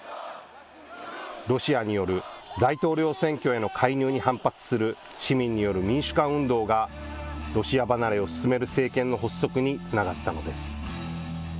ロシアによる大統領選挙への介入に反発する市民による民主化運動がロシア離れを進める政権の発足につながったのです。